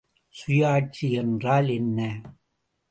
சுயாட்சி என்றால் என்ன?